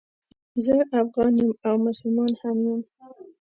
زه افغان یم او مسلمان هم یم